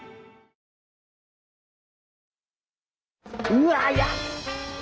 うわやっと。